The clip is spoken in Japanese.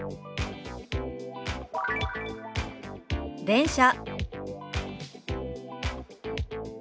「電車」。